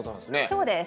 そうです。